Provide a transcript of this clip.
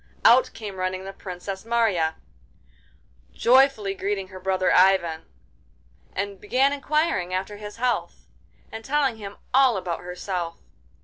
Out came running the Princess Marya, joyfully greeted her brother Ivan, and began inquiring after his health, and telling him all about herself.